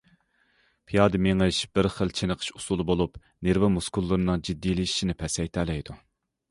پىيادە مېڭىش بىر خىل چېنىقىش ئۇسۇلى بولۇپ، نېرۋا مۇسكۇللىرىنىڭ جىددىيلىشىشىنى پەسەيتەلەيدۇ.